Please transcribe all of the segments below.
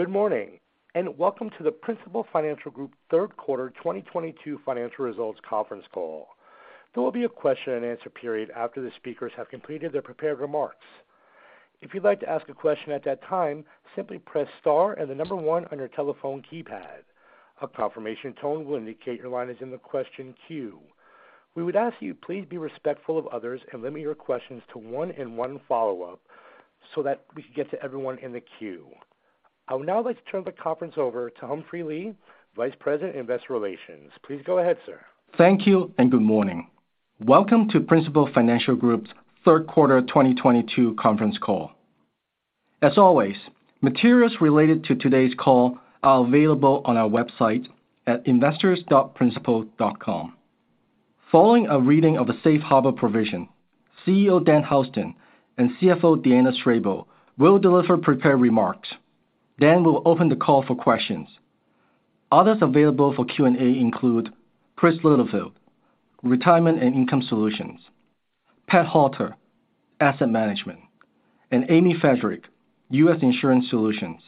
Good morning, and welcome to the Principal Financial Group third quarter 2022 financial results conference call. There will be a question-and-answer period after the speakers have completed their prepared remarks. If you'd like to ask a question at that time, simply press star and the one on your telephone keypad. A confirmation tone will indicate your line is in the question queue. We would ask you please be respectful of others and limit your questions to one and one follow-up so that we can get to everyone in the queue. I would now like to turn the conference over to Humphrey Lee, Vice President of Investor Relations. Please go ahead, sir. Thank you and good morning. Welcome to Principal Financial Group's third quarter 2022 conference call. As always, materials related to today's call are available on our website at investors.principal.com. Following a reading of the Safe Harbor Provision, CEO Dan Houston and CFO Deanna Strable will deliver prepared remarks. Dan will open the call for questions. Others available for Q&A include Chris Littlefield, Retirement and Income Solutions, Pat Halter, Asset Management, and Amy Friedrich, U.S. Insurance Solutions.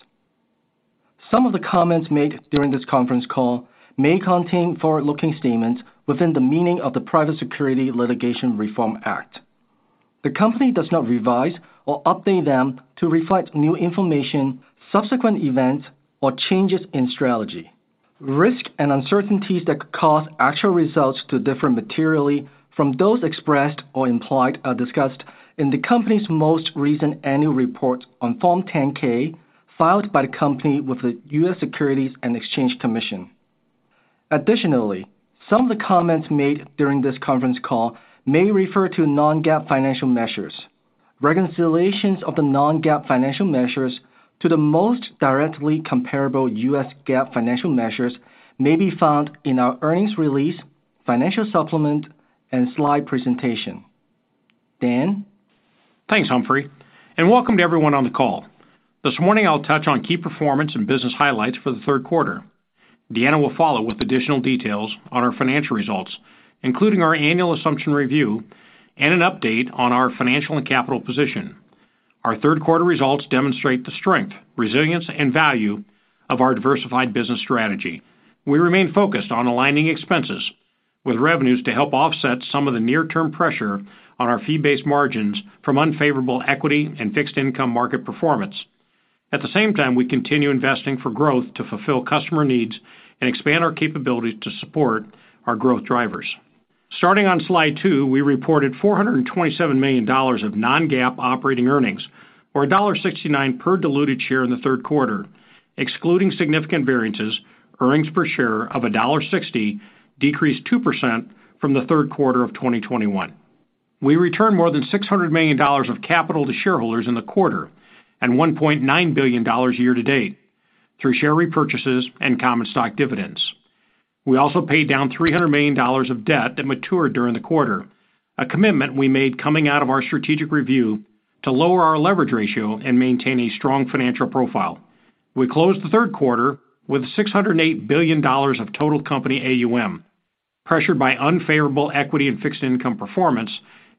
Some of the comments made during this conference call may contain forward-looking statements within the meaning of the Private Securities Litigation Reform Act. The company does not revise or update them to reflect new information, subsequent events, or changes in strategy. Risks and uncertainties that could cause actual results to differ materially from those expressed or implied are discussed in the company's most recent annual report on Form 10-K filed by the company with the U.S. Securities and Exchange Commission. Additionally, some of the comments made during this conference call may refer to non-GAAP financial measures. Reconciliations of the non-GAAP financial measures to the most directly comparable U.S. GAAP financial measures may be found in our earnings release, financial supplement, and slide presentation. Dan? Thanks, Humphrey, and welcome to everyone on the call. This morning I'll touch on key performance and business highlights for the third quarter. Deanna will follow with additional details on our financial results, including our annual assumption review and an update on our financial and capital position. Our third quarter results demonstrate the strength, resilience, and value of our diversified business strategy. We remain focused on aligning expenses with revenues to help offset some of the near-term pressure on our fee-based margins from unfavorable equity and fixed income market performance. At the same time, we continue investing for growth to fulfill customer needs and expand our capabilities to support our growth drivers. Starting on slide, we reported $427 million of non-GAAP operating earnings or $1.69 per diluted share in the third quarter. Excluding significant variances, earnings per share of $1.60 decreased 2% from the third quarter of 2021. We returned more than $600 million of capital to shareholders in the quarter and $1.9 billion year to date through share repurchases and common stock dividends. We also paid down $300 million of debt that matured during the quarter, a commitment we made coming out of our strategic review to lower our leverage ratio and maintain a strong financial profile. We closed the third quarter with $608 billion of total company AUM, pressured by unfavorable equity and fixed income performance,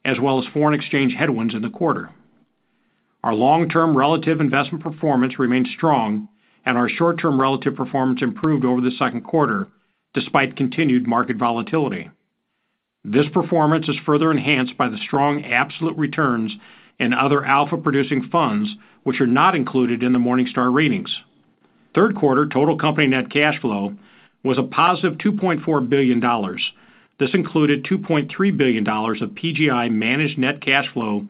as well as foreign exchange headwinds in the quarter. Our long-term relative investment performance remains strong, and our short-term relative performance improved over the second quarter, despite continued market volatility. This performance is further enhanced by the strong absolute returns in other alpha-producing funds, which are not included in the Morningstar ratings. Third quarter total company net cash flow was a +$2.4 billion. This included $2.3 billion of PGI managed net cash flow,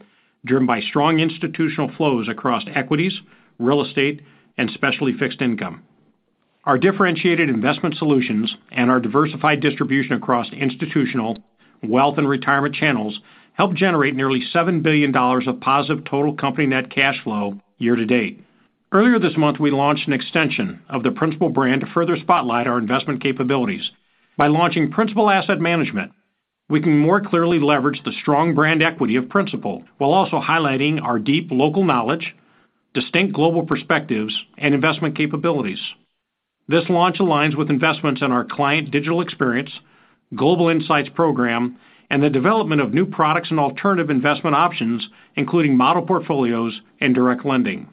driven by strong institutional flows across equities, real estate, and specialty fixed income. Our differentiated investment solutions and our diversified distribution across institutional, wealth, and retirement channels helped generate nearly $7 billion of positive total company net cash flow year to date. Earlier this month, we launched an extension of the Principal brand to further spotlight our investment capabilities. By launching Principal Asset Management, we can more clearly leverage the strong brand equity of Principal while also highlighting our deep local knowledge, distinct global perspectives, and investment capabilities. This launch aligns with investments in our client digital experience, global insights program, and the development of new products and alternative investment options, including model portfolios and direct lending.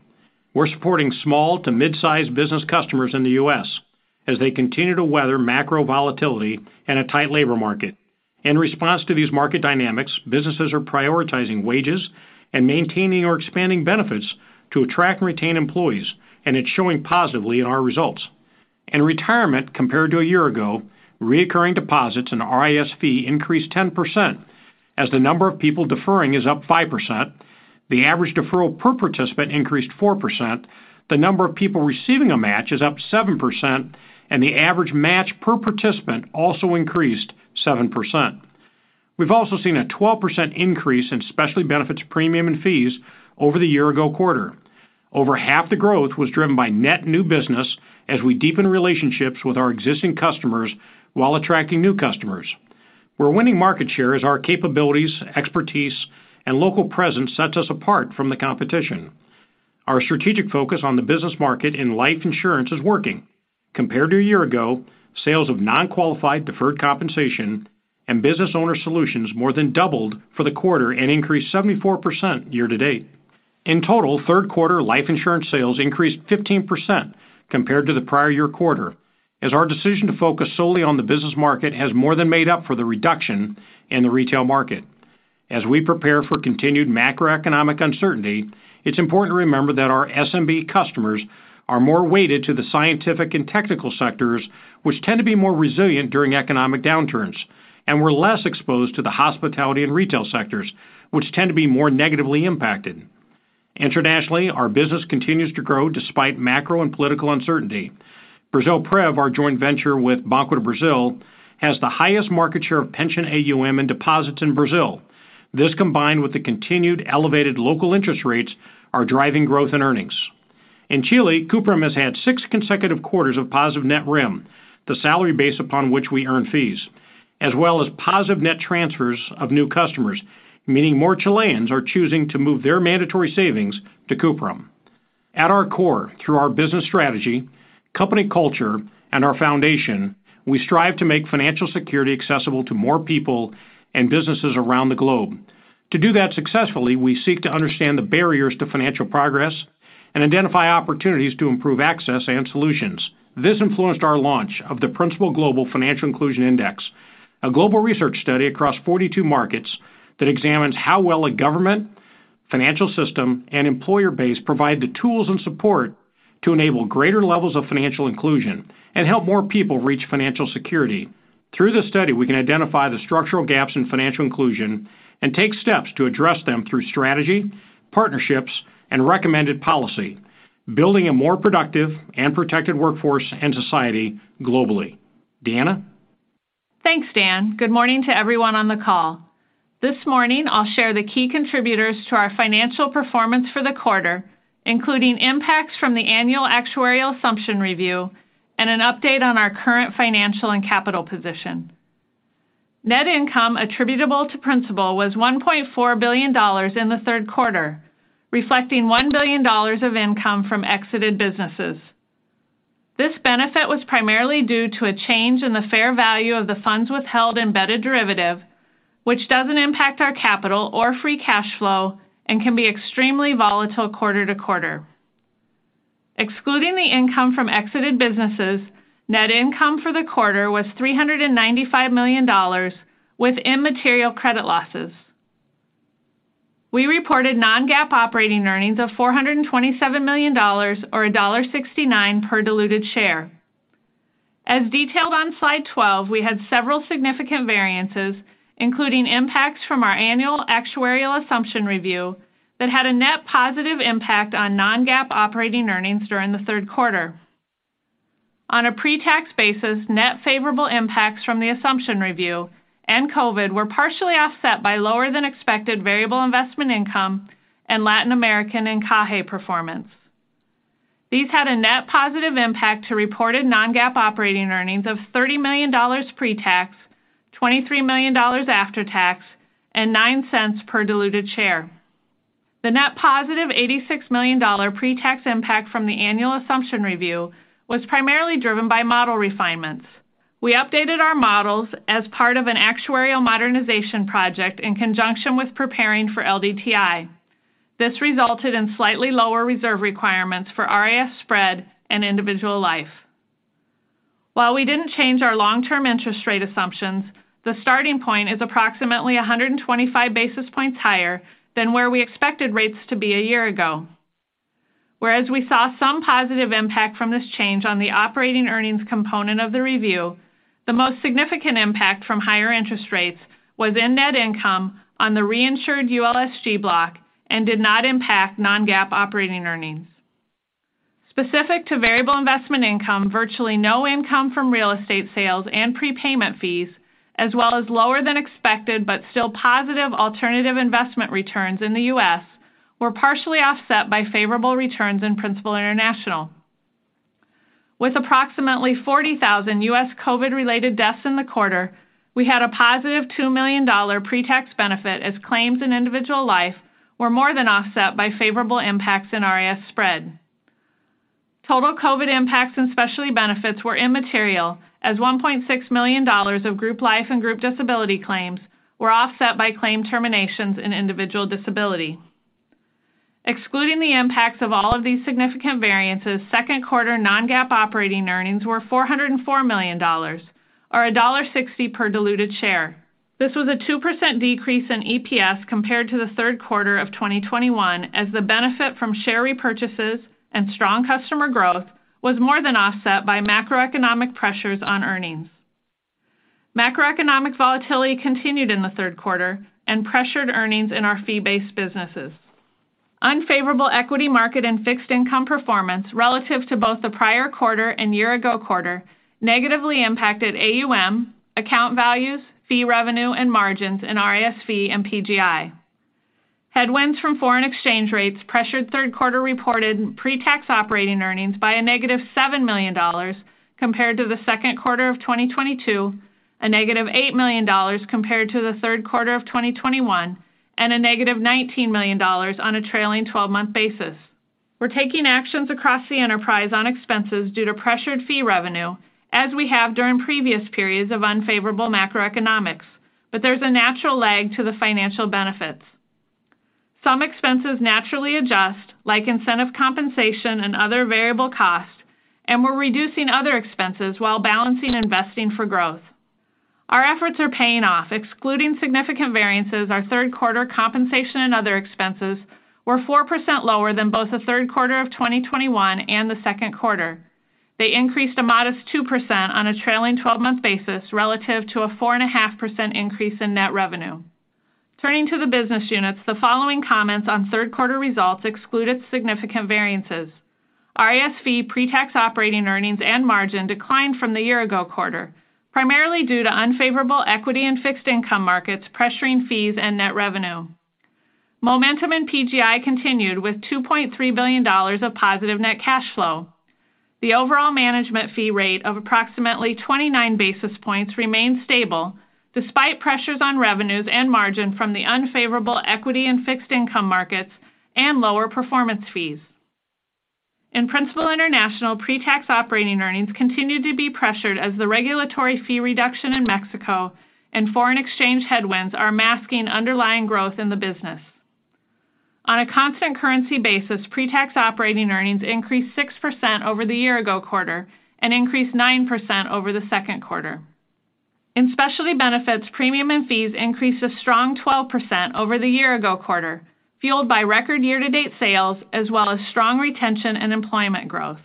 We're supporting small to mid-sized business customers in the U.S. as they continue to weather macro volatility and a tight labor market. In response to these market dynamics, businesses are prioritizing wages and maintaining or expanding benefits to attract and retain employees, and it's showing positively in our results. In retirement, compared to a year ago, recurring deposits in RIS Fee increased 10%. As the number of people deferring is up 5%, the average deferral per participant increased 4%. The number of people receiving a match is up 7%, and the average match per participant also increased 7%. We've also seen a 12% increase in Specialty Benefits premium and fees over the year-ago quarter. Over half the growth was driven by net new business as we deepen relationships with our existing customers while attracting new customers. We're winning market share as our capabilities, expertise, and local presence sets us apart from the competition. Our strategic focus on the business market in life insurance is working. Compared to a year ago, sales of Nonqualified Deferred Compensation and Business Owner Solutions more than doubled for the quarter and increased 74% year to date. In total, third quarter life insurance sales increased 15% compared to the prior year quarter as our decision to focus solely on the business market has more than made up for the reduction in the retail market. As we prepare for continued macroeconomic uncertainty, it's important to remember that our SMB customers are more weighted to the scientific and technical sectors, which tend to be more resilient during economic downturns, and we're less exposed to the hospitality and retail sectors, which tend to be more negatively impacted. Internationally, our business continues to grow despite macro and political uncertainty. Brasilprev, our joint venture with Banco do Brasil, has the highest market share of pension AUM and deposits in Brazil. This, combined with the continued elevated local interest rates, are driving growth in earnings. In Chile, Cuprum has had six consecutive quarters of positive net REM, the salary base upon which we earn fees, as well as positive net transfers of new customers, meaning more Chileans are choosing to move their mandatory savings to Cuprum. At our core, through our business strategy, company culture, and our foundation, we strive to make financial security accessible to more people and businesses around the globe. To do that successfully, we seek to understand the barriers to financial progress and identify opportunities to improve access and solutions. This influenced our launch of the Principal Global Financial Inclusion Index, a global research study across 42 markets that examines how well a government, financial system, and employer base provide the tools and support to enable greater levels of financial inclusion and help more people reach financial security. Through this study, we can identify the structural gaps in financial inclusion and take steps to address them through strategy, partnerships, and recommended policy, building a more productive and protected workforce and society globally. Deanna? Thanks, Dan. Good morning to everyone on the call. This morning, I'll share the key contributors to our financial performance for the quarter, including impacts from the annual actuarial assumption review and an update on our current financial and capital position. Net income attributable to Principal was $1.4 billion in the third quarter, reflecting $1 billion of income from exited businesses. This benefit was primarily due to a change in the fair value of the funds withheld embedded derivative, which doesn't impact our capital or free cash flow and can be extremely volatile quarter to quarter. Excluding the income from exited businesses, net income for the quarter was $395 million with immaterial credit losses. We reported non-GAAP operating earnings of $427 million or $1.69 per diluted share. As detailed on slide 12, we had several significant variances, including impacts from our annual actuarial assumption review that had a net positive impact on non-GAAP operating earnings during the third quarter. On a pre-tax basis, net favorable impacts from the assumption review and COVID were partially offset by lower than expected variable investment income and Latin American and CAHE performance. These had a net positive impact to reported non-GAAP operating earnings of $30 million pre-tax, $23 million after tax, and $0.09 per diluted share. The net +$86 million pre-tax impact from the annual assumption review was primarily driven by model refinements. We updated our models as part of an actuarial modernization project in conjunction with preparing for LDTI. This resulted in slightly lower reserve requirements for RIS spread and individual life. While we didn't change our long-term interest rate assumptions, the starting point is approximately 125 basis points higher than where we expected rates to be a year ago. Whereas we saw some positive impact from this change on the operating earnings component of the reserve, the most significant impact from higher interest rates was in net income on the reinsured ULSG block and did not impact non-GAAP operating earnings. Specific to variable investment income, virtually no income from real estate sales and prepayment fees, as well as lower than expected, but still positive alternative investment returns in the U.S., were partially offset by favorable returns in Principal International. With approximately 40,000 U.S. COVID-related deaths in the quarter, we had a +$2 million pre-tax benefit as claims in individual life were more than offset by favorable impacts in RIS spread. Total COVID impacts and Specialty Benefits were immaterial as $1.6 million of group life and group disability claims were offset by claim terminations and individual disability. Excluding the impacts of all of these significant variances, second quarter non-GAAP operating earnings were $404 million or $1.60 per diluted share. This was a 2% decrease in EPS compared to the third quarter of 2021, as the benefit from share repurchases and strong customer growth was more than offset by macroeconomic pressures on earnings. Macroeconomic volatility continued in the third quarter and pressured earnings in our fee-based businesses. Unfavorable equity market and fixed income performance relative to both the prior quarter and year-ago quarter negatively impacted AUM, account values, fee revenue, and margins in RIS and PGI. Headwinds from foreign exchange rates pressured third quarter reported pre-tax operating earnings by a -$7 million compared to the second quarter of 2022, a -$8 million compared to the third quarter of 2021. A -$19 million on a trailing 12-month basis. We're taking actions across the enterprise on expenses due to pressured fee revenue, as we have during previous periods of unfavorable macroeconomics, but there's a natural lag to the financial benefits. Some expenses naturally adjust, like incentive compensation and other variable costs, and we're reducing other expenses while balancing investing for growth. Our efforts are paying off. Excluding significant variances, our third quarter compensation and other expenses were 4% lower than both the third quarter of 2021 and the second quarter. They increased a modest 2% on a trailing 12-month basis relative to a 4.5% increase in net revenue. Turning to the business units, the following comments on third quarter results excluded significant variances. RIS pretax operating earnings and margin declined from the year ago quarter, primarily due to unfavorable equity and fixed income markets pressuring fees and net revenue. Momentum in PGI continued with $2.3 billion of positive net cash flow. The overall management fee rate of approximately 29 basis points remained stable despite pressures on revenues and margin from the unfavorable equity and fixed income markets and lower performance fees. In Principal International, pretax operating earnings continued to be pressured as the regulatory fee reduction in Mexico and foreign exchange headwinds are masking underlying growth in the business. On a constant currency basis, pre-tax operating earnings increased 6% over the year-ago quarter and increased 9% over the second quarter. In Specialty Benefits, premiums and fees increased a strong 12% over the year-ago quarter, fueled by record year-to-date sales as well as strong retention and employment growth.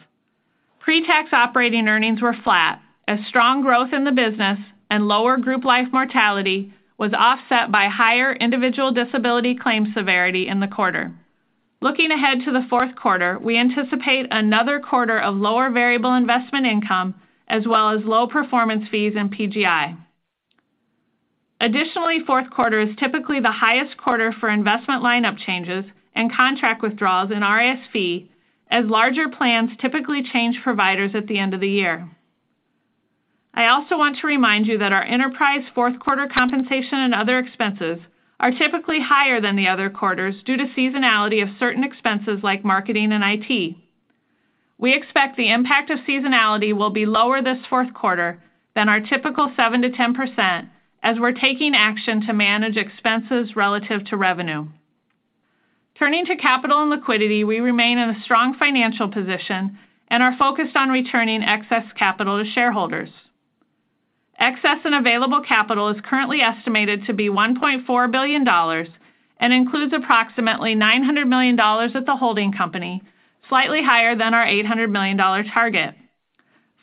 Pre-tax operating earnings were flat as strong growth in the business and lower group life mortality was offset by higher individual disability claim severity in the quarter. Looking ahead to the fourth quarter, we anticipate another quarter of lower variable investment income as well as low performance fees in PGI. Additionally, fourth quarter is typically the highest quarter for investment lineup changes and contract withdrawals in RIS as larger plans typically change providers at the end of the year. I also want to remind you that our enterprise fourth quarter compensation and other expenses are typically higher than the other quarters due to seasonality of certain expenses like marketing and IT. We expect the impact of seasonality will be lower this fourth quarter than our typical 7%-10% as we're taking action to manage expenses relative to revenue. Turning to capital and liquidity, we remain in a strong financial position and are focused on returning excess capital to shareholders. Excess and available capital is currently estimated to be $1.4 billion and includes approximately $900 million at the holding company, slightly higher than our $800 million target,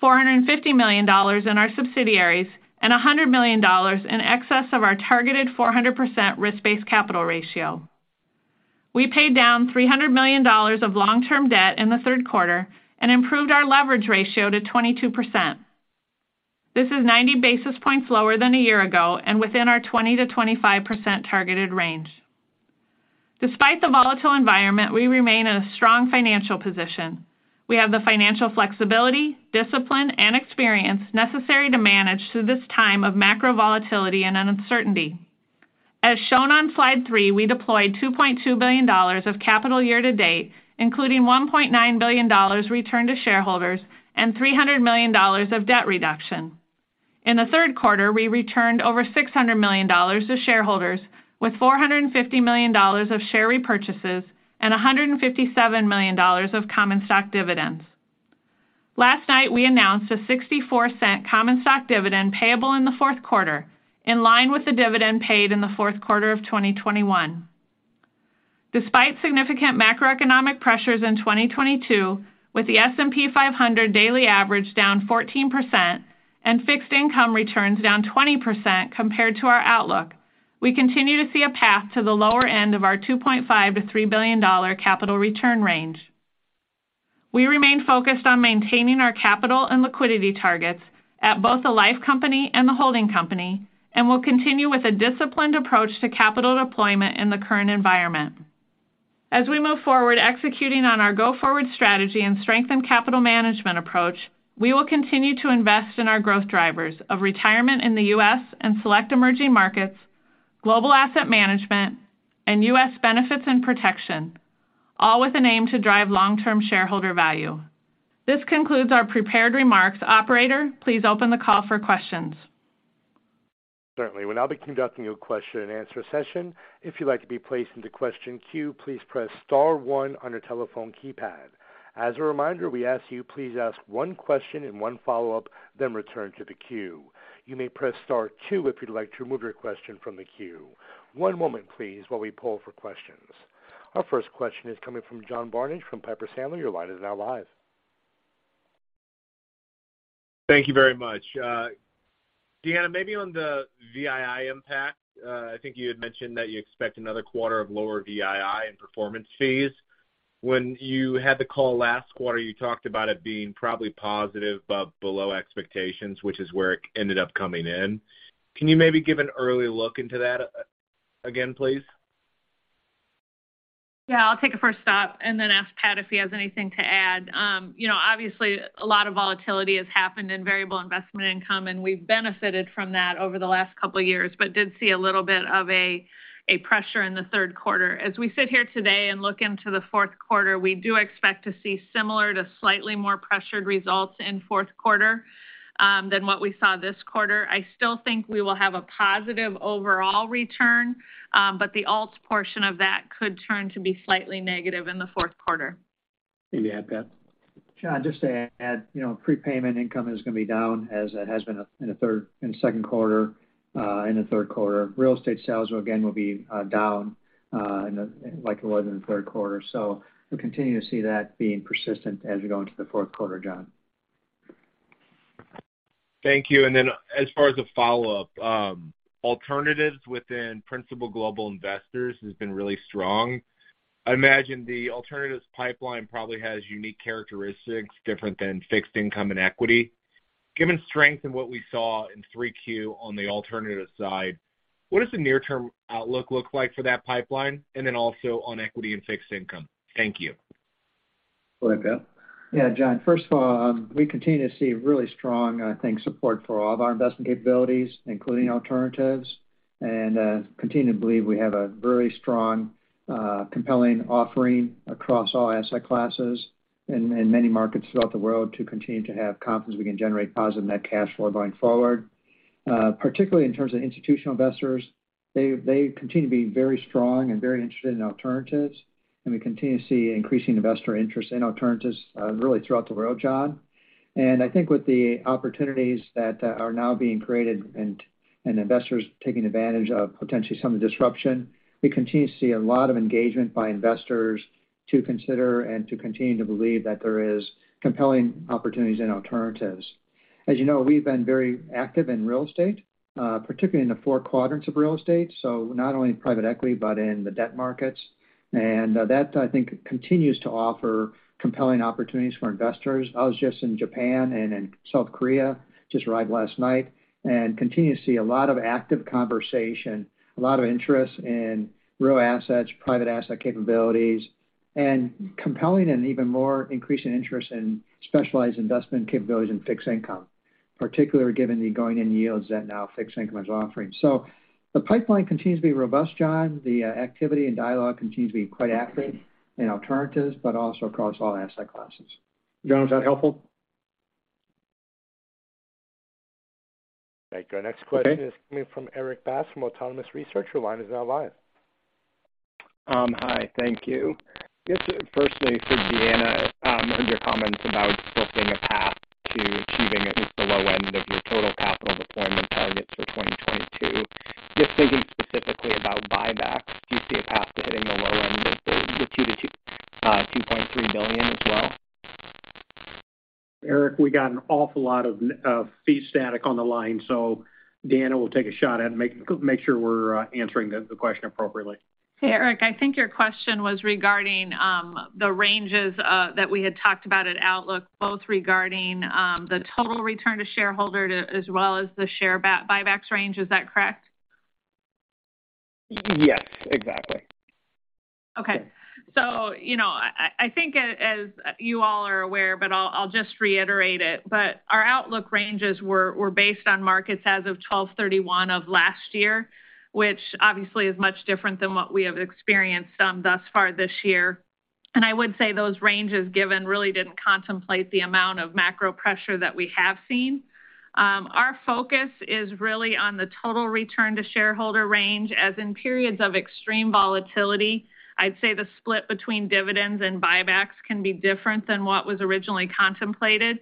$450 million in our subsidiaries, and $100 million in excess of our targeted 400% risk-based capital ratio. We paid down $300 million of long-term debt in the third quarter and improved our leverage ratio to 22%. This is 90 basis points lower than a year ago and within our 20%-25% targeted range. Despite the volatile environment, we remain in a strong financial position. We have the financial flexibility, discipline, and experience necessary to manage through this time of macro volatility and uncertainty. As shown on slide 3, we deployed $2.2 billion of capital year to date, including $1.9 billion returned to shareholders and $300 million of debt reduction. In the third quarter, we returned over $600 million to shareholders, with $450 million of share repurchases and $157 million of common stock dividends. Last night, we announced a $0.64 common stock dividend payable in the fourth quarter, in line with the dividend paid in the fourth quarter of 2021. Despite significant macroeconomic pressures in 2022, with the S&P 500 daily average down 14% and fixed income returns down 20% compared to our outlook, we continue to see a path to the lower end of our $2.5 billion-$3 billion capital return range. We remain focused on maintaining our capital and liquidity targets at both the life company and the holding company, and we'll continue with a disciplined approach to capital deployment in the current environment. As we move forward executing on our go-forward strategy and strengthened capital management approach, we will continue to invest in our growth drivers of retirement in the U.S. and select emerging markets, global asset management, and U.S. benefits and protection, all with an aim to drive long-term shareholder value. This concludes our prepared remarks. Operator, please open the call for questions. Certainly. We'll now be conducting a question-and-answer session. If you'd like to be placed into question queue, please press star one on your telephone keypad. As a reminder, we ask you please ask one question and one follow-up, then return to the queue. You may press star two if you'd like to remove your question from the queue. One moment, please, while we poll for questions. Our first question is coming from John Barnidge from Piper Sandler. Your line is now live. Thank you very much. Deanna, maybe on the VII impact, I think you had mentioned that you expect another quarter of lower VII in performance fees. When you had the call last quarter, you talked about it being probably positive, but below expectations, which is where it ended up coming in. Can you maybe give an early look into that again, please? Yeah, I'll take a first shot and then ask Pat if he has anything to add. You know, obviously a lot of volatility has happened in variable investment income, and we've benefited from that over the last couple of years, but did see a little bit of a pressure in the third quarter. As we sit here today and look into the fourth quarter, we do expect to see similar to slightly more pressured results in fourth quarter than what we saw this quarter. I still think we will have a positive overall return, but the alts portion of that could turn to be slightly negative in the fourth quarter. Anything to add, Pat? John, just to add, you know, prepayment income is gonna be down as it has been in the second quarter, in the third quarter. Real estate sales will again be down, like it was in the third quarter. We continue to see that being persistent as we go into the fourth quarter, John. Thank you. As far as a follow-up, alternatives within Principal Global Investors has been really strong. I imagine the alternatives pipeline probably has unique characteristics different than fixed income and equity. Given strength in what we saw in 3Q on the alternative side, what does the near term outlook look like for that pipeline? Also on equity and fixed income. Thank you. Go ahead, Pat. Yeah, John, first of all, we continue to see really strong, I think, support for all of our investment capabilities, including alternatives, and continue to believe we have a very strong, compelling offering across all asset classes in many markets throughout the world to continue to have confidence we can generate positive net cash flow going forward. Particularly in terms of institutional investors, they continue to be very strong and very interested in alternatives, and we continue to see increasing investor interest in alternatives really throughout the world, John. I think with the opportunities that are now being created and investors taking advantage of potentially some of the disruption, we continue to see a lot of engagement by investors to consider and to continue to believe that there is compelling opportunities in alternatives. As you know, we've been very active in real estate, particularly in the four quadrants of real estate, so not only in private equity, but in the debt markets. That, I think, continues to offer compelling opportunities for investors. I was just in Japan and in South Korea, just arrived last night, and continue to see a lot of active conversation, a lot of interest in real assets, private asset capabilities, and compelling and even more increasing interest in specialized investment capabilities in fixed income, particularly given the going in yields that now fixed income is offering. The pipeline continues to be robust, John. The activity and dialogue continues to be quite active in alternatives, but also across all asset classes. John, was that helpful? Thank you. Our next question. Okay. This is coming from Erik Bass from Autonomous Research. Your line is now live. Hi. Thank you. Just firstly for Deanna, on your comments about scoping a path to achieving at least the low end of your total capital deployment targets for 2022. Just thinking specifically about buybacks, do you see a path to hitting the low end of the $2 billion-$2.3 billion as well? Erik, we got an awful lot of noise and feedback static on the line, so Deanna will take a shot at it and make sure we're answering the question appropriately. Hey, Erik. I think your question was regarding the ranges that we had talked about at Outlook, both regarding the total return to shareholder as well as the share buybacks range. Is that correct? Yes, exactly. You know, I think as you all are aware, but I'll just reiterate it, but our outlook ranges were based on markets as of 12/31 of last year, which obviously is much different than what we have experienced thus far this year. I would say those ranges given really didn't contemplate the amount of macro pressure that we have seen. Our focus is really on the total return to shareholder range as in periods of extreme volatility, I'd say the split between dividends and buybacks can be different than what was originally contemplated.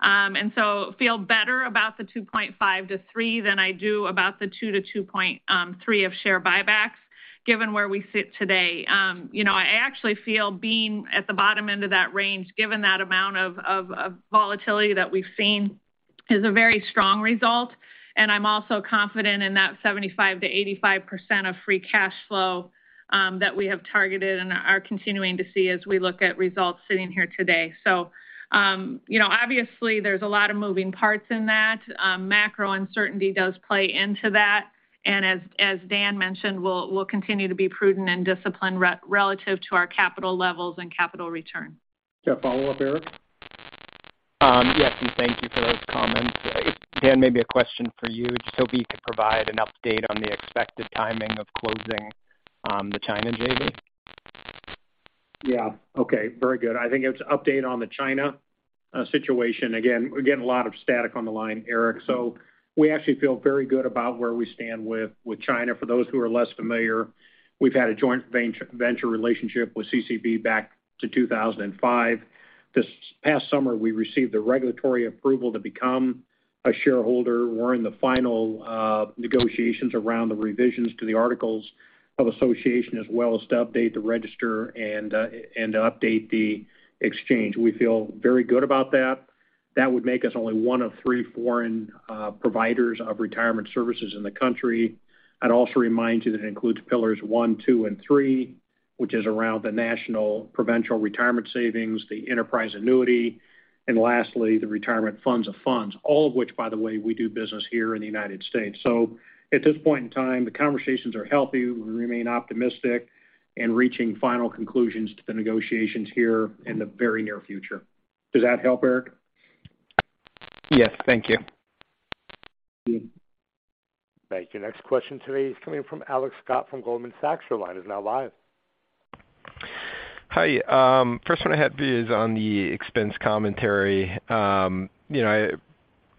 I feel better about the $2.5-$3 than I do about the $2-$2.3 of share buybacks, given where we sit today. You know, I actually feel being at the bottom end of that range, given that amount of volatility that we've seen is a very strong result. I'm also confident in that 75%-85% of free cash flow that we have targeted and are continuing to see as we look at results sitting here today. You know, obviously there's a lot of moving parts in that. Macro uncertainty does play into that. As Dan mentioned, we'll continue to be prudent and disciplined relative to our capital levels and capital return. Is there a follow-up, Erik? Yes, thank you for those comments. Dan, maybe a question for you, just hoping you could provide an update on the expected timing of closing, the China JV. Yeah. Okay. Very good. I think it's an update on the China situation. Again, we're getting a lot of static on the line, Erik. We actually feel very good about where we stand with China. For those who are less familiar, we've had a joint venture relationship with CCB back to 2005. This past summer, we received the regulatory approval to become a shareholder. We're in the final negotiations around the revisions to the articles of association as well as to update the register and to update the exchange. We feel very good about that. That would make us only one of three foreign providers of retirement services in the country. I'd also remind you that includes pillars 1, 2, and 3, which is around the National Provincial Retirement Savings, the Enterprise Annuity, and lastly, the Retirement Funds of Funds. All of which, by the way, we do business here in the United States. At this point in time, the conversations are healthy. We remain optimistic in reaching final conclusions to the negotiations here in the very near future. Does that help, Erik? Yes. Thank you. Thank you. Next question today is coming from Alex Scott from Goldman Sachs. Your line is now live. Hi. First one I have is on the expense commentary. You know, I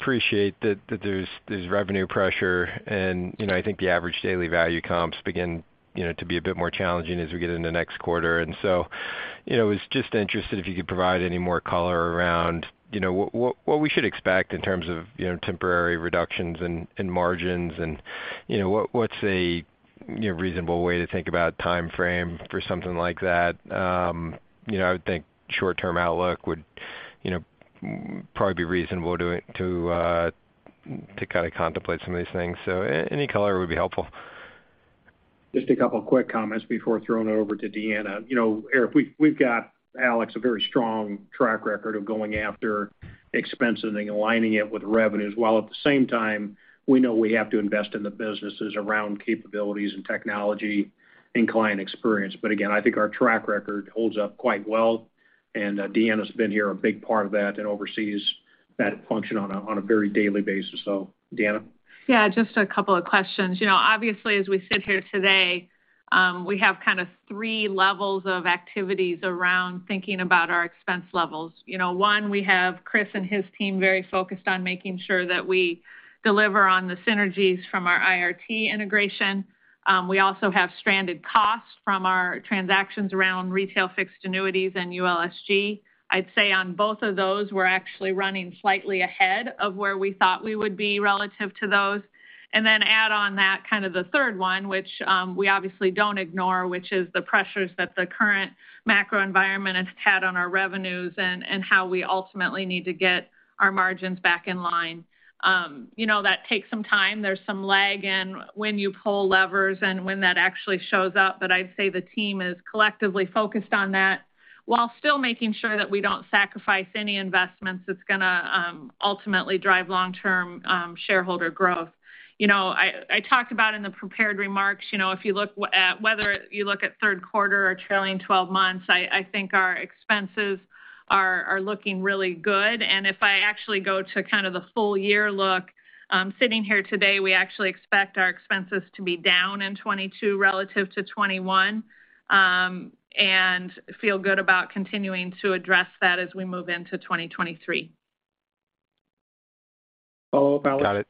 appreciate that there's revenue pressure and, you know, I think the average daily value comps begin, you know, to be a bit more challenging as we get into next quarter. You know, I was just interested if you could provide any more color around, you know, what we should expect in terms of, you know, temporary reductions in margins and, you know, what's a reasonable way to think about timeframe for something like that? You know, I would think short-term outlook would, you know, probably be reasonable to kind of contemplate some of these things. Any color would be helpful. Just a couple quick comments before throwing it over to Deanna. You know, Erik, we've got, Alex, a very strong track record of going after expenses and aligning it with revenues, while at the same time we know we have to invest in the businesses around capabilities and technology and client experience. Again, I think our track record holds up quite well, and Deanna's been here a big part of that and oversees that function on a very daily basis. Deanna. Yeah, just a couple of questions. You know, obviously, as we sit here today, we have kind of three levels of activities around thinking about our expense levels. You know, one, we have Chris and his team very focused on making sure that we deliver on the synergies from our IRT integration. We also have stranded costs from our transactions around retail fixed annuities and ULSG. I'd say on both of those, we're actually running slightly ahead of where we thought we would be relative to those. Add on that kind of the third one, which, we obviously don't ignore, which is the pressures that the current macro environment has had on our revenues and how we ultimately need to get our margins back in line. You know, that takes some time. There's some lag in when you pull levers and when that actually shows up. I'd say the team is collectively focused on that while still making sure that we don't sacrifice any investments that's gonna ultimately drive long-term shareholder growth. You know, I talked about in the prepared remarks, you know, if you look at whether you look at third quarter or trailing12 months, I think our expenses are looking really good. If I actually go to kind of the full year look, sitting here today, we actually expect our expenses to be down in 2022 relative to 2021, and feel good about continuing to address that as we move into 2023. Follow, Alex. Got it.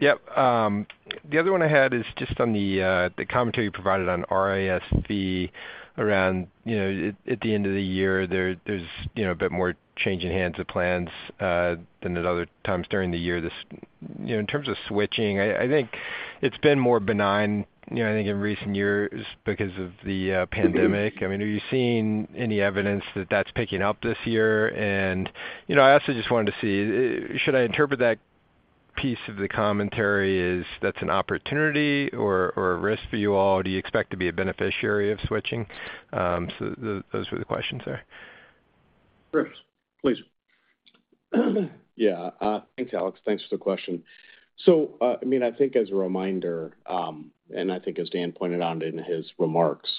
Yep. The other one I had is just on the commentary you provided on RIS around, you know, at the end of the year, there's, you know, a bit more change in hands of plans than at other times during the year. This you know, in terms of switching, I think it's been more benign, you know, I think in recent years because of the pandemic. I mean, are you seeing any evidence that that's picking up this year? You know, I also just wanted to see, should I interpret that piece of the commentary as that's an opportunity or a risk for you all? Do you expect to be a beneficiary of switching? Those were the questions there. Chris, please. Yeah. Thanks, Alex. Thanks for the question. I mean, I think as a reminder, and I think as Dan pointed out in his remarks,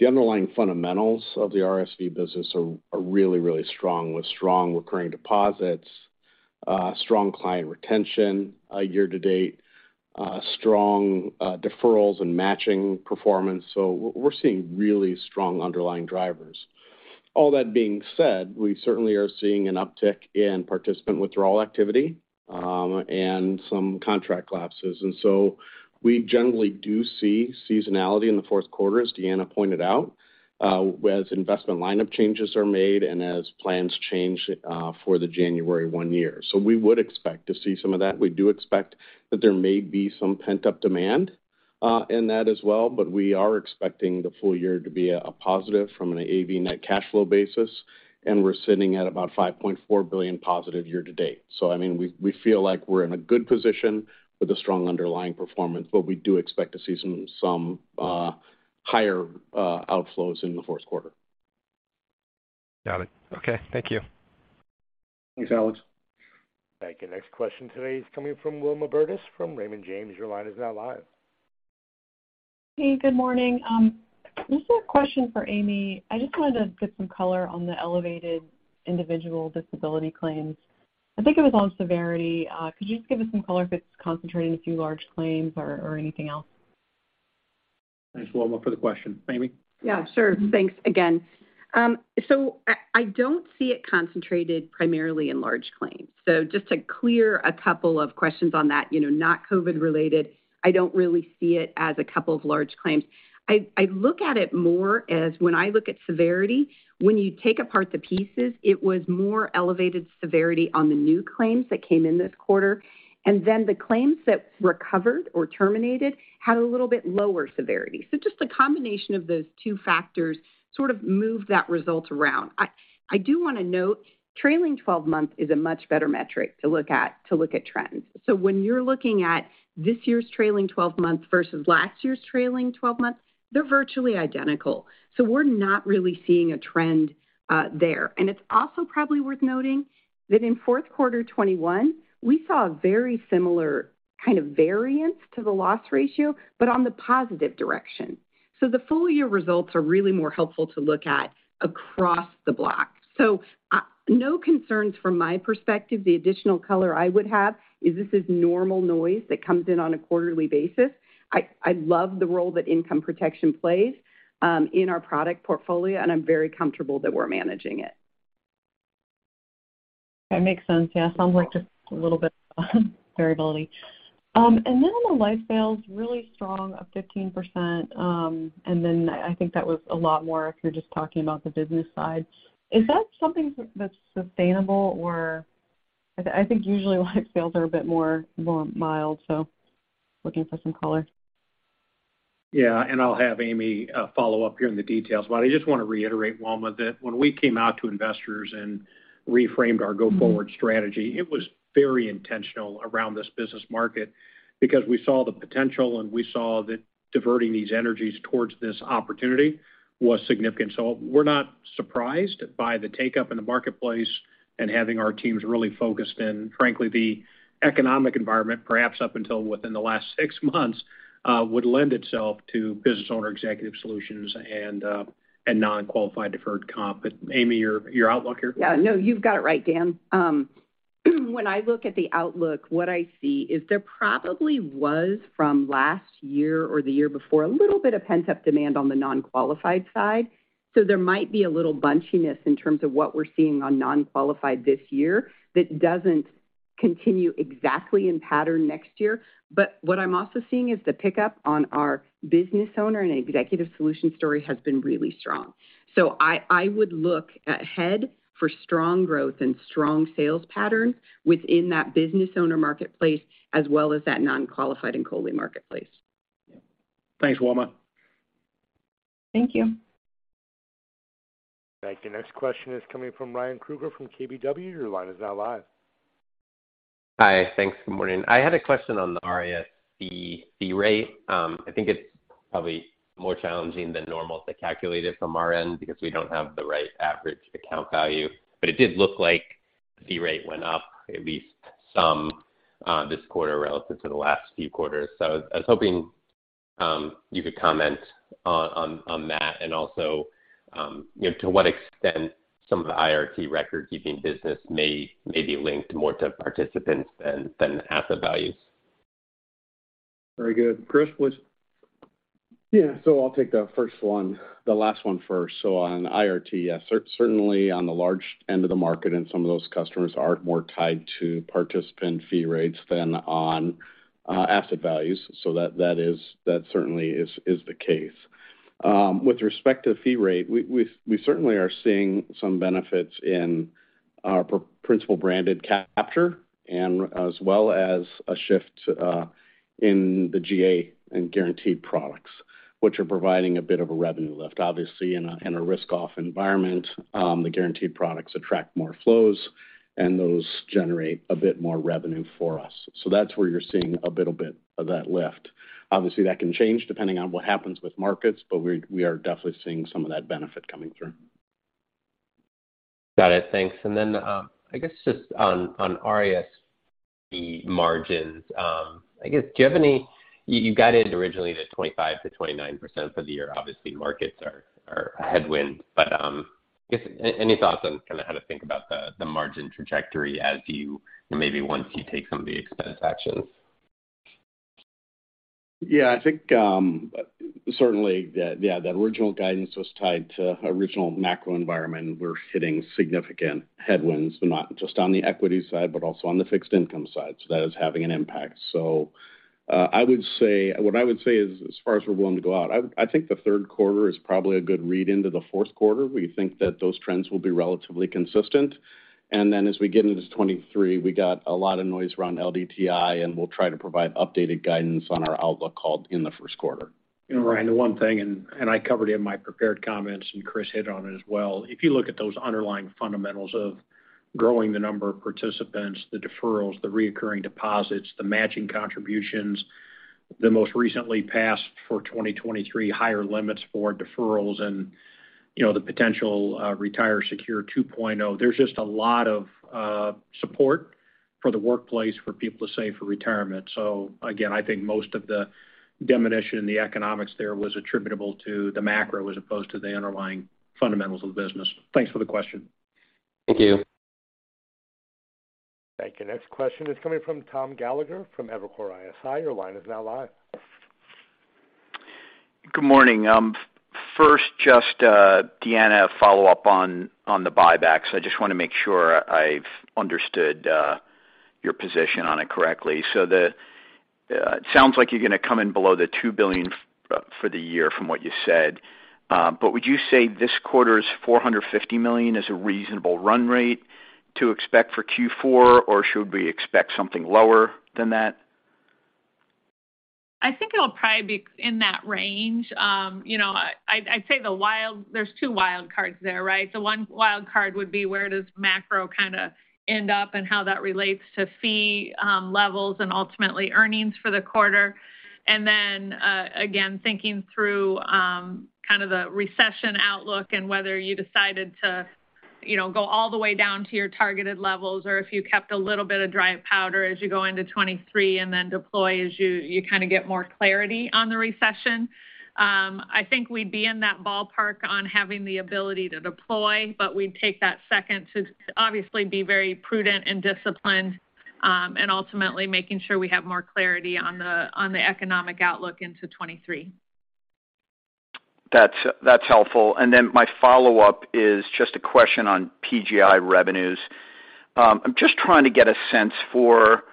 the underlying fundamentals of the RIS business are really strong with strong recurring deposits, strong client retention year to date, strong deferrals and matching performance. We're seeing really strong underlying drivers. All that being said, we certainly are seeing an uptick in participant withdrawal activity, and some contract lapses. We generally do see seasonality in the fourth quarter, as Deanna pointed out, as investment lineup changes are made and as plans change for the January 1 year. We would expect to see some of that. We do expect that there may be some pent-up demand in that as well, but we are expecting the full year to be a positive from an AV net cash flow basis, and we're sitting at about $5.4 billion positive year to date. I mean, we feel like we're in a good position with a strong underlying performance, but we do expect to see some higher outflows in the fourth quarter. Got it. Okay. Thank you. Thanks, Alex. Thank you. Next question today is coming from Wilma Burdis from Raymond James. Your line is now live. Hey, good morning. This is a question for Amy. I just wanted to get some color on the elevated individual disability claims. I think it was on severity. Could you just give us some color if it's concentrating a few large claims or anything else? Thanks, Wilma, for the question. Amy? Yeah, sure. Thanks again. I don't see it concentrated primarily in large claims. Just to clear a couple of questions on that, you know, not COVID related, I don't really see it as a couple of large claims. I look at it more as when I look at severity, when you take apart the pieces, it was more elevated severity on the new claims that came in this quarter. The claims that recovered or terminated had a little bit lower severity. Just a combination of those two factors sort of moved that result around. I do wanna note, trailing 12-month is a much better metric to look at trends. When you're looking at this year's trailing 12-month versus last year's trailing 12-month, they're virtually identical. We're not really seeing a trend there. It's also probably worth noting that in fourth quarter 2021, we saw a very similar kind of variance to the loss ratio, but on the positive direction. The full year results are really more helpful to look at across the block. No concerns from my perspective. The additional color I would have is this is normal noise that comes in on a quarterly basis. I love the role that income protection plays in our product portfolio, and I'm very comfortable that we're managing it. That makes sense. Yeah, sounds like just a little bit of variability. On the life sales, really strong, up 15%. I think that was a lot more if you're just talking about the business side. Is that something that's sustainable? I think usually life sales are a bit more mild, so looking for some color. Yeah, I'll have Amy follow up here on the details. I just want to reiterate, Wilma, that when we came out to investors and reframed our go-forward strategy, it was very intentional around this business market because we saw the potential and we saw that diverting these energies towards this opportunity was significant. We're not surprised by the take-up in the marketplace and having our teams really focused. Frankly, the economic environment, perhaps up until within the last six months, would lend itself to business owner executive solutions and nonqualified deferred comp. Amy, your outlook here. Yeah. No, you've got it right, Dan. When I look at the outlook, what I see is there probably was, from last year or the year before, a little bit of pent-up demand on the non-qualified side. There might be a little bunchiness in terms of what we're seeing on non-qualified this year that doesn't continue exactly in pattern next year. What I'm also seeing is the pickup on our business owner and executive solution story has been really strong. I would look ahead for strong growth and strong sales pattern within that business owner marketplace as well as that non-qualified and COLI marketplace. Thanks, Wilma. Thank you. Thank you. Next question is coming from Ryan Krueger from KBW. Your line is now live. Hi. Thanks. Good morning. I had a question on the RIS fee rate. I think it's probably more challenging than normal to calculate it from our end because we don't have the right average account value. It did look like the rate went up at least some this quarter relative to the last few quarters. I was hoping you could comment on that. Also, you know, to what extent some of the IRT record-keeping business may be linked more to participants than asset values. Very good. Chris, please. Yeah. I'll take the first one, the last one first. On IRT, yes, certainly on the large end of the market and some of those customers are more tied to participant fee rates than on asset values. That certainly is the case. With respect to fee rate, we certainly are seeing some benefits in our Principal branded capture and as well as a shift in the GA and guaranteed products, which are providing a bit of a revenue lift. Obviously, in a risk-off environment, the guaranteed products attract more flows, and those generate a bit more revenue for us. That's where you're seeing a little bit of that lift. Obviously, that can change depending on what happens with markets, but we are definitely seeing some of that benefit coming through. Got it. Thanks. Then, I guess just on RIS fee margins, I guess, do you have any? You guided originally to 25%-29% for the year. Obviously, markets are a headwind. I guess any thoughts on kinda how to think about the margin trajectory as you maybe once you take some of the expense actions? Yeah, I think, certainly, yeah, the original guidance was tied to original macro environment. We're hitting significant headwinds, not just on the equity side, but also on the fixed income side. That is having an impact. I would say, as far as we're willing to go out, I think the third quarter is probably a good read into the fourth quarter. We think that those trends will be relatively consistent. Then as we get into 2023, we got a lot of noise around LDTI, and we'll try to provide updated guidance on our outlook called in the first quarter. You know, Ryan, the one thing, and I covered in my prepared comments, and Chris hit on it as well. If you look at those underlying fundamentals of growing the number of participants, the deferrals, the recurring deposits, the matching contributions, the most recently passed for 2023 higher limits for deferrals and, you know, the potential SECURE 2.0 Act, there's just a lot of support for the workplace for people to save for retirement. Again, I think most of the diminution in the economics there was attributable to the macro as opposed to the underlying fundamentals of the business. Thanks for the question. Thank you. Thank you. Next question is coming from Tom Gallagher from Evercore ISI. Your line is now live. Good morning. First just, Deanna, follow up on the buybacks. I just wanna make sure I've understood your position on it correctly. It sounds like you're gonna come in below the $2 billion for the year from what you said. Would you say this quarter's $450 million is a reasonable run rate to expect for Q4, or should we expect something lower than that? I think it'll probably be in that range. You know, I'd say there's two wild cards there, right? The one wild card would be where does macro kinda end up and how that relates to fee levels and ultimately earnings for the quarter. Again, thinking through, Kind of the recession outlook and whether you decided to, you know, go all the way down to your targeted levels or if you kept a little bit of dry powder as you go into 2023 and then deploy as you kind of get more clarity on the recession. I think we'd be in that ballpark on having the ability to deploy, but we'd take that second to obviously be very prudent and disciplined, and ultimately making sure we have more clarity on the economic outlook into 2023. That's helpful. My follow-up is just a question on PGI revenues. I'm just trying to get a sense for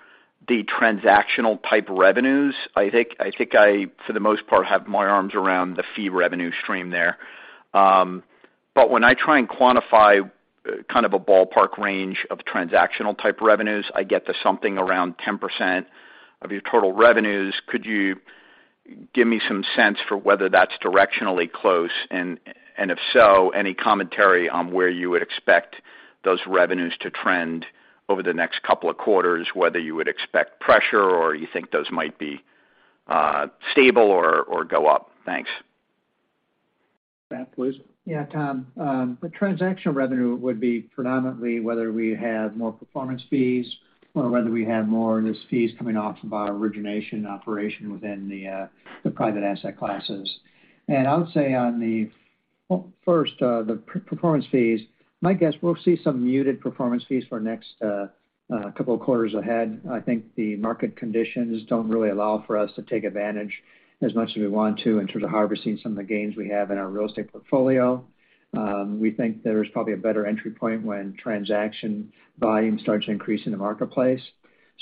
the transactional type revenues. I think I, for the most part, have my arms around the fee revenue stream there. But when I try and quantify kind of a ballpark range of transactional type revenues, I get to something around 10% of your total revenues. Could you give me some sense for whether that's directionally close? And if so, any commentary on where you would expect those revenues to trend over the next couple of quarters, whether you would expect pressure or you think those might be stable or go up? Thanks. Pat, please. Yeah, Tom. The transactional revenue would be predominantly whether we have more performance fees or whether we have more of those fees coming off of our origination operation within the private asset classes. I would say on the first, the performance fees, my guess we'll see some muted performance fees for next couple of quarters ahead. I think the market conditions don't really allow for us to take advantage as much as we want to in terms of harvesting some of the gains we have in our real estate portfolio. We think there's probably a better entry point when transaction volume starts to increase in the marketplace.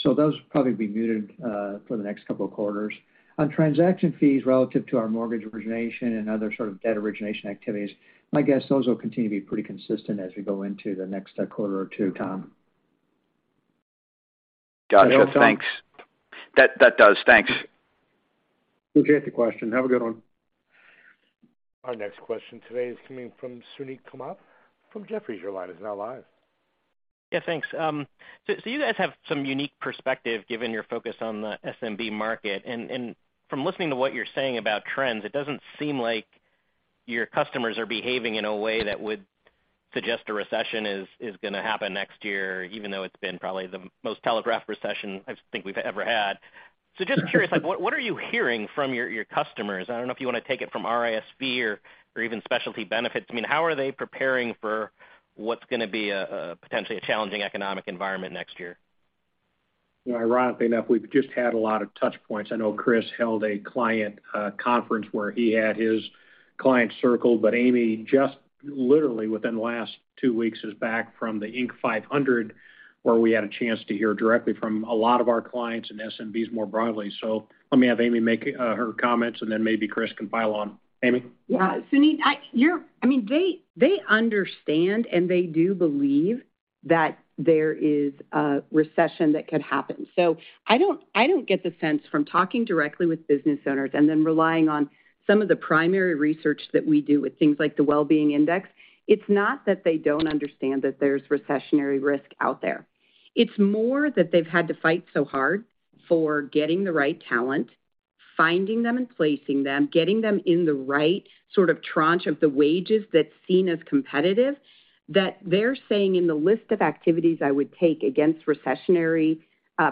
Those will probably be muted for the next couple of quarters. On transaction fees relative to our mortgage origination and other sort of debt origination activities, my guess, those will continue to be pretty consistent as we go into the next quarter or two, Tom. Gotcha. Thanks. That does. Thanks. Appreciate the question. Have a good one. Our next question today is coming from Suneet Kamath from Jefferies. Your line is now live. Yeah, thanks. You guys have some unique perspective given your focus on the SMB market. From listening to what you're saying about trends, it doesn't seem like your customers are behaving in a way that would suggest a recession is gonna happen next year, even though it's been probably the most telegraphed recession I think we've ever had. Just curious, like what are you hearing from your customers? I don't know if you want to take it from RIS or even Specialty Benefits. I mean, how are they preparing for what's going to be a potentially challenging economic environment next year? You know, ironically enough, we've just had a lot of touch points. I know Chris held a client conference where he had his client circle, but Amy just literally within the last 2 weeks is back from the Inc. 5000, where we had a chance to hear directly from a lot of our clients and SMBs more broadly. Let me have Amy make her comments and then maybe Chris can pile on. Amy? Yeah. Suneet, I mean, they understand and they do believe that there is a recession that could happen. I don't get the sense from talking directly with business owners and then relying on some of the primary research that we do with things like the Well-Being Index. It's not that they don't understand that there's recessionary risk out there. It's more that they've had to fight so hard for getting the right talent, finding them and placing them, getting them in the right sort of tranche of the wages that's seen as competitive, that they're saying in the list of activities I would take against recessionary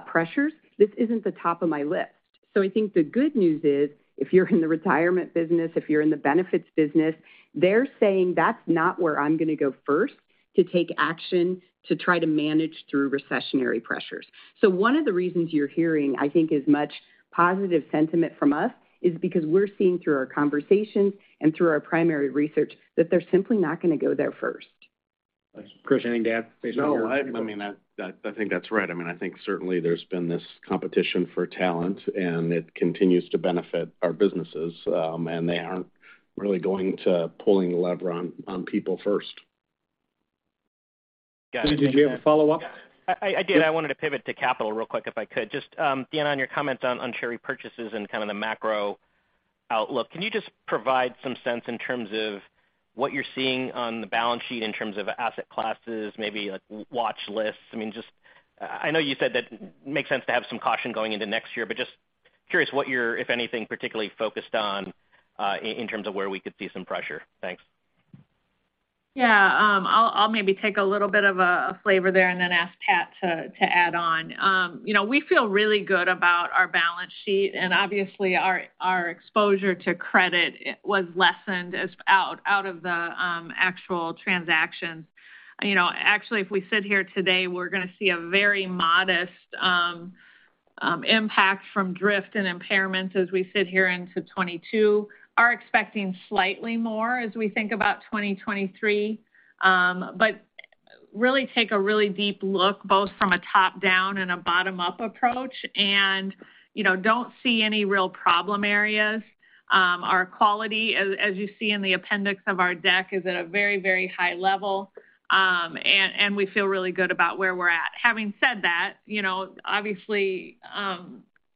pressures, this isn't the top of my list. I think the good news is, if you're in the retirement business, if you're in the benefits business, they're saying that's not where I'm going to go first to take action to try to manage through recessionary pressures. One of the reasons you're hearing, I think, is much positive sentiment from us is because we're seeing through our conversations and through our primary research that they're simply not going to go there first. Chris, anything to add based on your? No, I mean, I think that's right. I mean, I think certainly there's been this competition for talent and it continues to benefit our businesses, and they aren't really going to pull the lever on people first. Got it. Suneet, did you have a follow-up? I did. I wanted to pivot to capital real quick if I could. Just, Dan, on your comment on share repurchases and kind of the macro outlook, can you just provide some sense in terms of what you're seeing on the balance sheet in terms of asset classes, maybe like watch lists? I mean, just I know you said that it makes sense to have some caution going into next year, but just curious what you're, if anything, particularly focused on, in terms of where we could see some pressure. Thanks. Yeah. I'll maybe take a little bit of a flavor there and then ask Pat to add on. You know, we feel really good about our balance sheet and obviously our exposure to credit was lessened as we got out of the actual transactions. You know, actually, if we sit here today, we're going to see a very modest impact from credit and impairment as we sit here into 2022. We're expecting slightly more as we think about 2023. But really take a really deep look both from a top-down and a bottom-up approach and, you know, don't see any real problem areas. Our quality, as you see in the appendix of our deck, is at a very, very high level, and we feel really good about where we're at. Having said that, you know, obviously,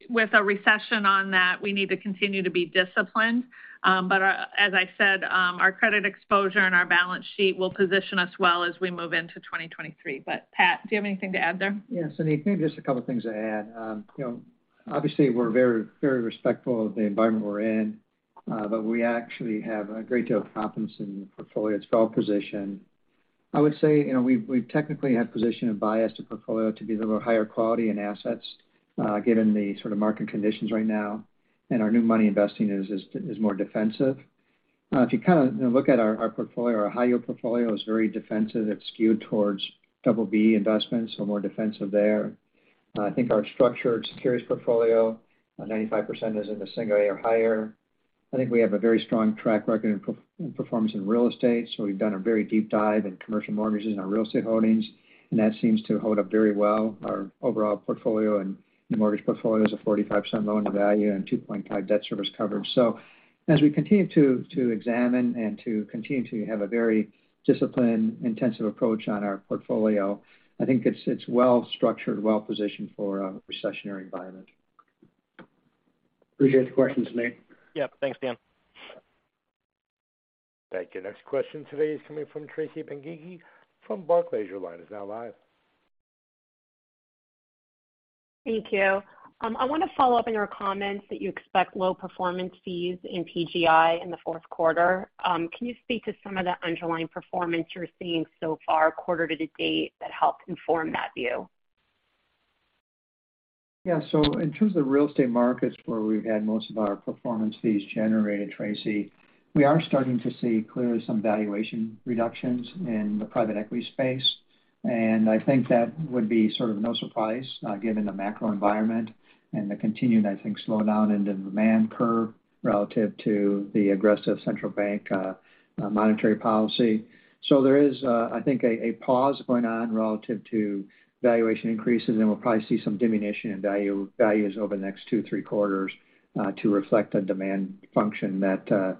with a recession on that, we need to continue to be disciplined. As I said, our credit exposure and our balance sheet will position us well as we move into 2023. Pat, do you have anything to add there? Yes, indeed. Maybe just a couple of things to add. You know, obviously, we're very, very respectful of the environment we're in, but we actually have a great deal of confidence in the portfolio. It's well-positioned. I would say, you know, we've technically had positioned a bias to portfolio to be a little higher quality in assets, given the sort of market conditions right now, and our new money investing is more defensive. If you kind of, you know, look at our portfolio, our high-yield portfolio is very defensive. It's skewed towards double B investments, so more defensive there. I think our structured securities portfolio, 95% is in the single A or higher. I think we have a very strong track record in peer performance in real estate, so we've done a very deep dive in commercial mortgages in our real estate holdings, and that seems to hold up very well. Our overall portfolio and mortgage portfolio is a 45% loan to value and 2.5 debt service coverage. We continue to examine and to continue to have a very disciplined, intensive approach on our portfolio, I think it's well structured, well positioned for a recessionary environment. Appreciate the questions, Suneet. Yeah. Thanks, Dan. Thank you. Next question today is coming from Tracy Benguigui from Barclays. Your line is now live. Thank you. I want to follow up on your comments that you expect low performance fees in PGI in the fourth quarter. Can you speak to some of the underlying performance you're seeing so far quarter to date that helped inform that view? Yeah. In terms of real estate markets, where we've had most of our performance fees generated, Tracy, we are starting to see clearly some valuation reductions in the private equity space. I think that would be sort of no surprise, given the macro environment and the continued, I think, slowdown in the demand curve relative to the aggressive central bank monetary policy. There is, I think, a pause going on relative to valuation increases, and we'll probably see some diminution in values over the next 2-3 quarters to reflect a demand function that. Hello?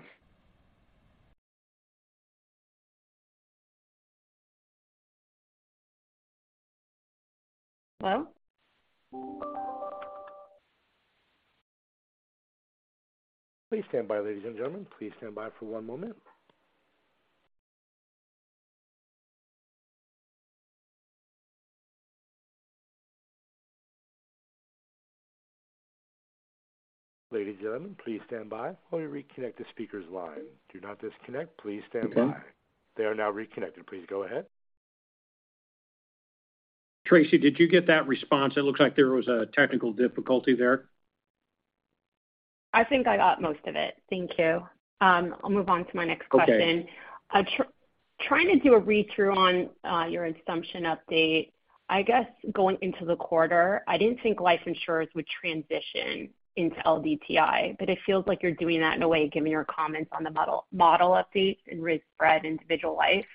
Please stand by, ladies and gentlemen. Please stand by for one moment. Ladies and gentlemen, please stand by while we reconnect the speaker's line. Do not disconnect. Please stand by. They are now reconnected. Please go ahead. Tracy, did you get that response? It looks like there was a technical difficulty there. I think I got most of it. Thank you. I'll move on to my next question. Okay. Trying to do a read-through on your assumption update, I guess going into the quarter. I didn't think life insurers would transition into LDTI, but it feels like you're doing that in a way, given your comments on the model updates and risk spread individual life.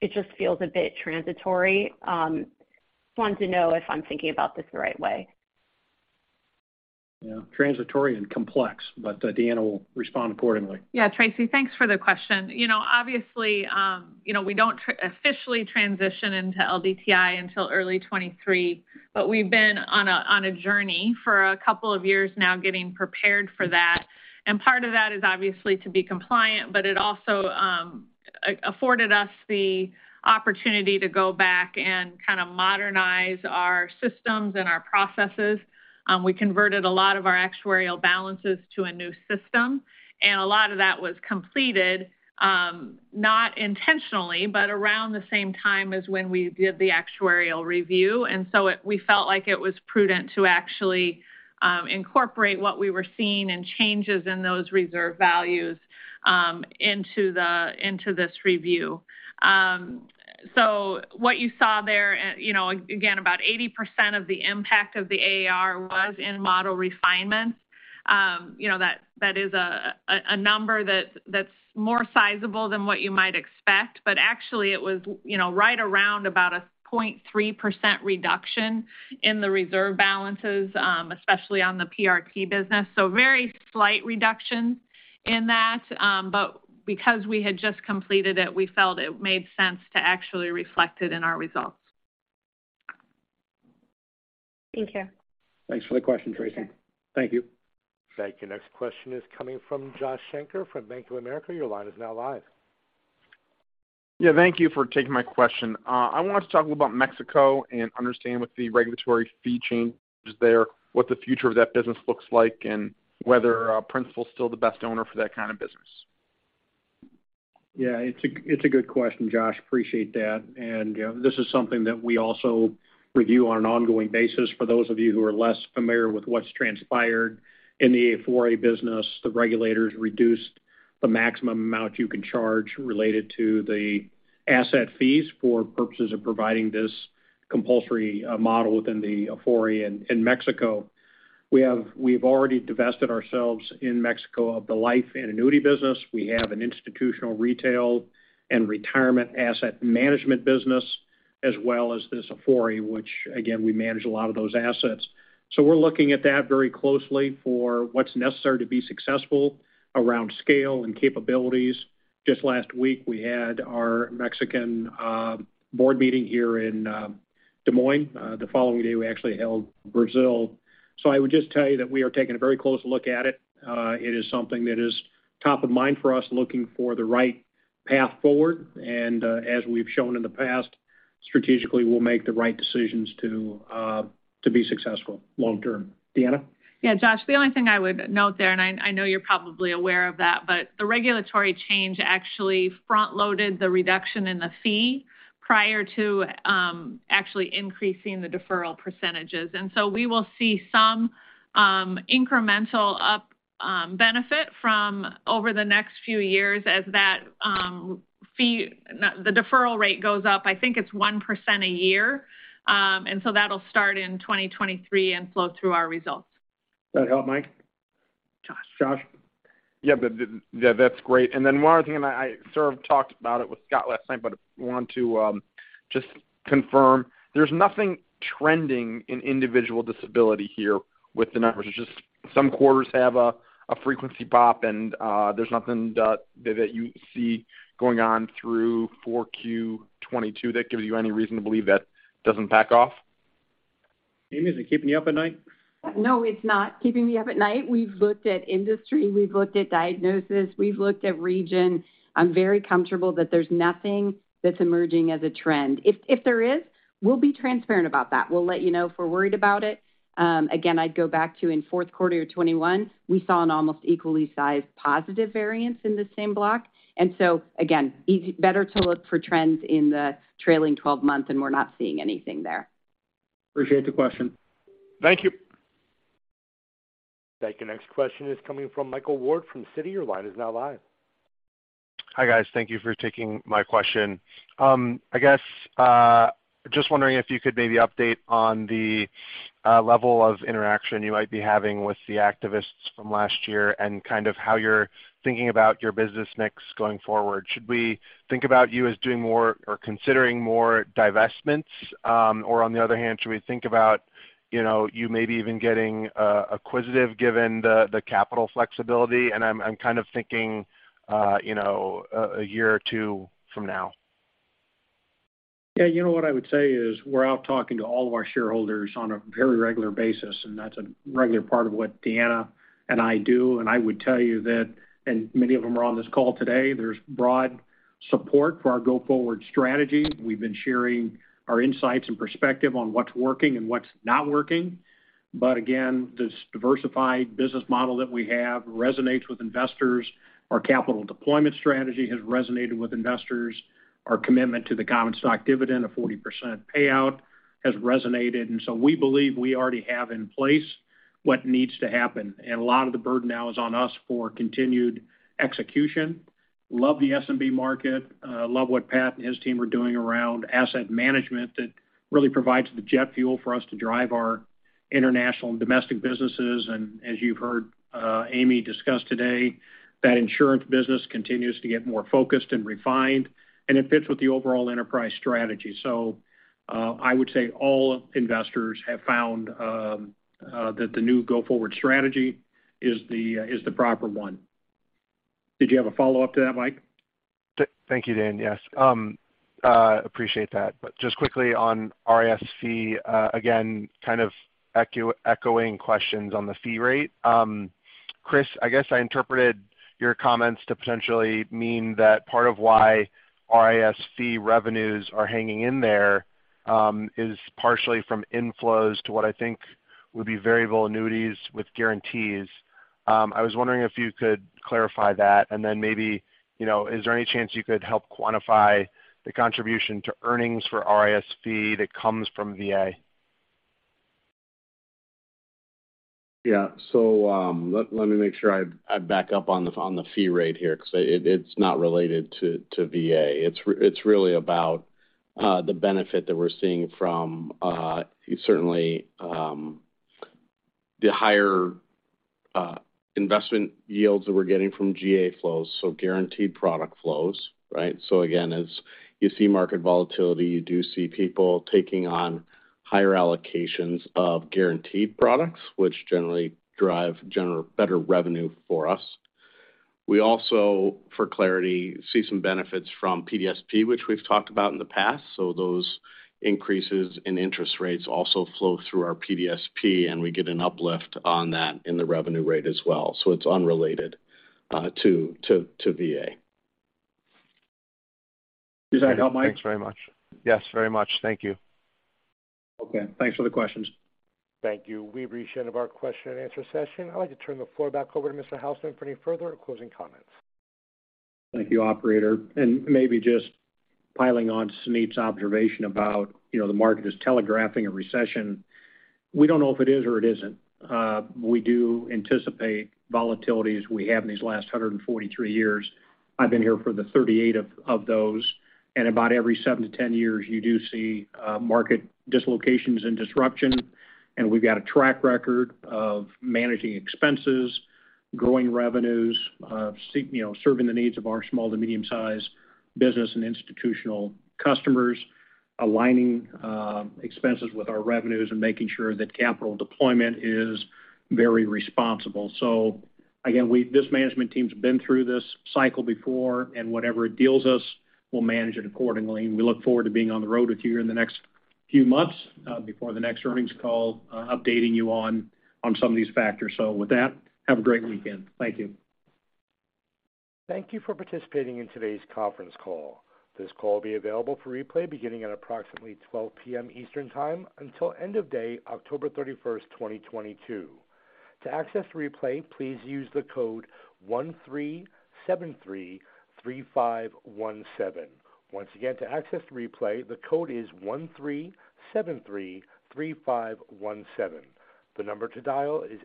It just feels a bit transitory. Just wanted to know if I'm thinking about this the right way. Yeah. Transitory and complex, but Deanna will respond accordingly. Yeah. Tracy, thanks for the question. You know, obviously, we don't officially transition into LDTI until early 2023, but we've been on a journey for a couple of years now getting prepared for that. Part of that is obviously to be compliant, but it also afforded us the opportunity to go back and kind of modernize our systems and our processes. We converted a lot of our actuarial balances to a new system, and a lot of that was completed, not intentionally, but around the same time as when we did the actuarial review. We felt like it was prudent to actually incorporate what we were seeing and changes in those reserve values into this review. What you saw there and, you know, again, about 80% of the impact of the AAR was in model refinements. That is a number that's more sizable than what you might expect. Actually, it was, you know, right around about 0.3% reduction in the reserve balances, especially on the PRT business. Very slight reduction in that. Because we had just completed it, we felt it made sense to actually reflect it in our results. Thank you. Thanks for the question, Tracy. Okay. Thank you. Thank you. Next question is coming from Josh Shanker from Bank of America. Your line is now live. Yeah, thank you for taking my question. I wanted to talk about Mexico and understand with the regulatory fee changes there, what the future of that business looks like and whether Principal is still the best owner for that kind of business. Yeah, it's a good question, Josh. Appreciate that. You know, this is something that we also review on an ongoing basis. For those of you who are less familiar with what's transpired in the Afore business, the regulators reduced the maximum amount you can charge related to the asset fees for purposes of providing this compulsory model within the Afore in Mexico. We've already divested ourselves in Mexico of the life and annuity business. We have an institutional retail and retirement asset management business, as well as this Afore, which again, we manage a lot of those assets. We're looking at that very closely for what's necessary to be successful around scale and capabilities. Just last week, we had our Mexican board meeting here in Des Moines. The following day, we actually held Brazil. I would just tell you that we are taking a very close look at it. It is something that is top of mind for us, looking for the right path forward. As we've shown in the past, strategically, we'll make the right decisions to be successful long term. Deanna? Yeah, Josh, the only thing I would note there, and I know you're probably aware of that, but the regulatory change actually front-loaded the reduction in the fee prior to actually increasing the deferral percentages. We will see some incremental up benefit from over the next few years as that fee and the deferral rate goes up. I think it's 1% a year. That'll start in 2023 and flow through our results. Does that help, Mike? Josh? Yeah, that's great. One other thing, I sort of talked about it with Scott last night, but want to just confirm. There's nothing trending in individual disability here with the numbers. It's just some quarters have a frequency pop, and there's nothing that you see going on through 4Q 2022 that gives you any reason to believe that doesn't back off? Amy, is it keeping you up at night? No, it's not keeping me up at night. We've looked at industry, we've looked at diagnosis, we've looked at region. I'm very comfortable that there's nothing that's emerging as a trend. If there is, we'll be transparent about that. We'll let you know if we're worried about it. Again, I'd go back to in fourth quarter 2021, we saw an almost equally sized positive variance in the same block. Again, better to look for trends in the trailing 12 months, and we're not seeing anything there. Appreciate the question. Thank you. Thank you. Next question is coming from Michael Ward from Citi. Your line is now live. Hi, guys. Thank you for taking my question. I guess, just wondering if you could maybe update on the level of interaction you might be having with the activists from last year, and kind of how you're thinking about your business mix going forward. Should we think about you as doing more or considering more divestments? Or on the other hand, should we think about, you know, you maybe even getting acquisitive given the capital flexibility? I'm kind of thinking, you know, a year or 2 from now. Yeah, you know what I would say is we're out talking to all of our shareholders on a very regular basis, and that's a regular part of what Deanna and I do. I would tell you that, and many of them are on this call today, there's broad support for our go-forward strategy. We've been sharing our insights and perspective on what's working and what's not working. Again, this diversified business model that we have resonates with investors. Our capital deployment strategy has resonated with investors. Our commitment to the common stock dividend of 40% payout has resonated. We believe we already have in place what needs to happen. A lot of the burden now is on us for continued execution. Love the SMB market. Love what Pat and his team are doing around asset management. That really provides the jet fuel for us to drive our international and domestic businesses. As you've heard, Amy discuss today, that insurance business continues to get more focused and refined, and it fits with the overall enterprise strategy. I would say all investors have found that the new go-forward strategy is the proper one. Did you have a follow-up to that, Mike? Thank you, Dan. Yes, appreciate that. Just quickly on RIS, again, kind of echoing questions on the fee rate. Chris, I guess I interpreted your comments to potentially mean that part of why RIS revenues are hanging in there, is partially from inflows to what I think would be variable annuities with guarantees. I was wondering if you could clarify that, and then maybe, you know, is there any chance you could help quantify the contribution to earnings for RIS that comes from VA? Yeah. Let me make sure I back up on the fee rate here 'cause it's not related to VA. It's really about the benefit that we're seeing from certainly the higher investment yields that we're getting from GA flows, so guaranteed product flows, right? Again, as you see market volatility, you do see people taking on higher allocations of guaranteed products, which generally drive better revenue for us. We also, for clarity, see some benefits from PDSP, which we've talked about in the past. Those increases in interest rates also flow through our PDSP, and we get an uplift on that in the revenue rate as well. It's unrelated to VA. Does that help, Mike? Thanks very much. Yes, very much. Thank you. Okay. Thanks for the questions. Thank you. We've reached the end of our question and answer session. I'd like to turn the floor back over to Mr. Houston for any further closing comments. Thank you, operator. Maybe just piling on Suneet's observation about, you know, the market is telegraphing a recession. We don't know if it is or it isn't. We do anticipate volatility as we have in these last 143 years. I've been here for the 38 of those, and about every 7-10 years, you do see market dislocations and disruption. We've got a track record of managing expenses, growing revenues, you know, serving the needs of our small to medium-sized business and institutional customers, aligning expenses with our revenues, and making sure that capital deployment is very responsible. Again, this management team's been through this cycle before, and whatever it deals us, we'll manage it accordingly. We look forward to being on the road with you in the next few months, before the next earnings call, updating you on some of these factors. With that, have a great weekend. Thank you. Thank you for participating in today's conference call. This call will be available for replay beginning at approximately 12:00 P.M. Eastern Time until end of day October 31, 2022. To access the replay, please use the code 13733517. Once again, to access the replay, the code is 13733517. The number to dial is.